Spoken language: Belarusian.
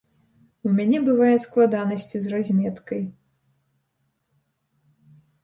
У мяне бывае складанасці з разметкай.